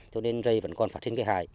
cho nên rầy vẫn còn phát triển cây hải